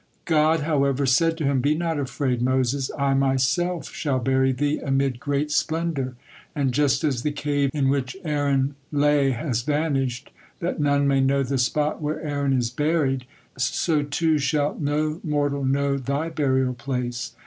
God, however, said to him: "Be not afraid, Moses, I Myself shall bury thee amid great splendor, and just as the cave in which Aaron lied has vanished, that none may know the spot where Aaron is buried, so too shall no mortal know thy burial place.